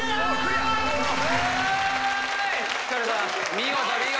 見事見事！